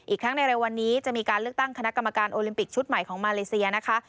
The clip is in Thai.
ทั้งในเร็ววันนี้จะมีการเลือกตั้งคณะกรรมการโอลิมปิกชุดใหม่ของมาเลเซียนะคะ